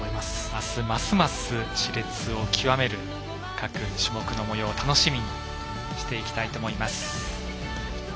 明日ますます熾烈を極める各種目のもようを楽しみにしていきたいと思います。